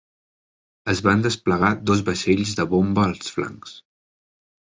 Es van desplegar dos vaixells de bomba als flancs.